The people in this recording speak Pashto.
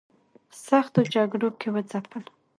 سختو جګړو کې وځپل.